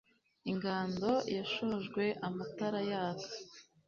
ingando yashojwe amatara yaka